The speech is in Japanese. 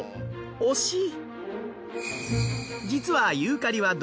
惜しい！